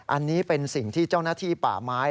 อันนี้เป็นสิ่งที่เจ้าหน้าที่ป่าไม้